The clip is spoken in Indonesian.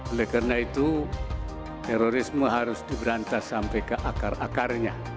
oleh karena itu terorisme harus diberantas sampai ke akar akarnya